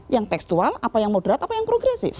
yang tekstual apa yang moderat apa yang progresif